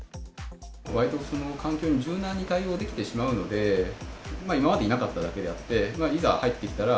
わりとその環境に柔軟に対応できてしまうので、今までいなかっただけであって、いざ入ってきたら、